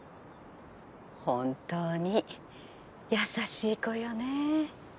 本当に優しい子よね。